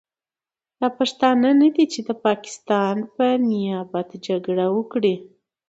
دا پښتانه نه دي چې د پاکستان په نیابت جګړه وکړي.